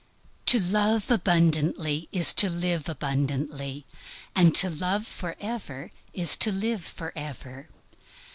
To love abundantly is to live abundantly, and to love forever is to live forever.